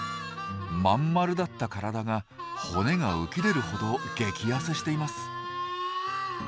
まんまるだった体が骨が浮き出るほど激ヤセしています。